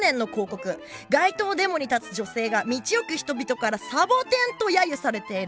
街頭デモに立つ女性が道行く人々から「サボテン」と揶揄されている。